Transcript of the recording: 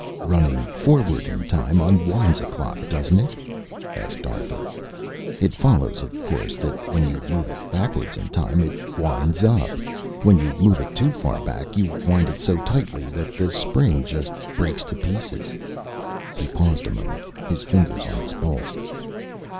"Running forward in time unwinds a clock, doesn't it?" asked Arthur. "It follows, of course, that when you move it backward in time it winds up. When you move it too far back, you wind it so tightly that the spring just breaks to pieces." He paused a moment, his fingers on his pulse.